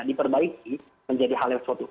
diperbaiki menjadi hal yang suatu